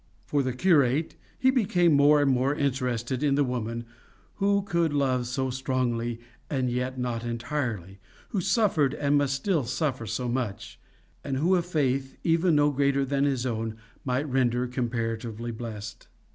For the curate, he became more and more interested in the woman who could love so strongly, and yet not entirely, who suffered and must still suffer so much, and who a faith even no greater than his own might render comparatively blessed.